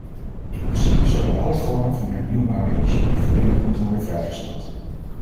In principe zouden alle vormen van hernieuwbare energie volledig moeten worden vrijgesteld.